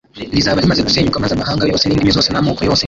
rizaba rimaze gusenyuka maze amahanga yose n'indimi zose n'amoko yose